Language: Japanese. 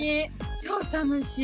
超楽しい！